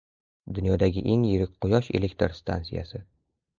Dunyodagi eng yirik quyosh elektr stansiyasi